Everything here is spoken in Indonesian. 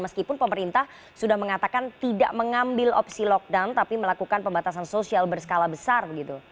meskipun pemerintah sudah mengatakan tidak mengambil opsi lockdown tapi melakukan pembatasan sosial berskala besar begitu